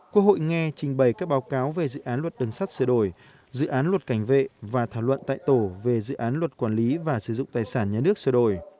quốc hội nghe trình bày các báo cáo về dự án luật đường sắt sửa đổi dự án luật cảnh vệ và thảo luận tại tổ về dự án luật quản lý và sử dụng tài sản nhà nước sửa đổi